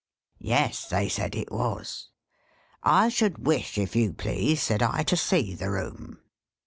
" Yes, they said. It was. "' I should wish, if you please,' said I, ' to see that room.'